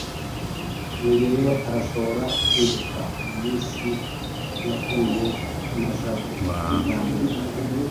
rugeyo arashobora kwibuka umunsi yahuye na jabo bwa mbere